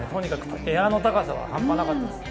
エアの高さは半端なかったです。